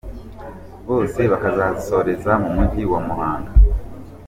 bose bakazasoreza mu mujyi wa Muhanga.